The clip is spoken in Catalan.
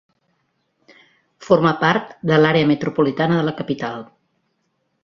Forma part de l'àrea metropolitana de la capital.